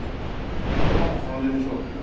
ここなんか完全にそうだよね。